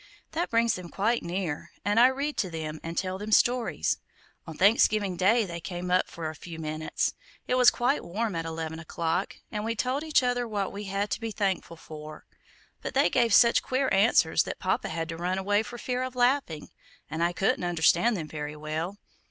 That brings them quite near, and I read to them and tell them stories; On Thanksgiving Day they came up for a few minutes, it was quite warm at eleven o'clock, and we told each other what we had to be thankful for; but they gave such queer answers that Papa had to run away for fear of laughing; and I couldn't understand them very well.